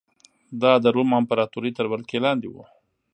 دا د روم امپراتورۍ تر ولکې لاندې و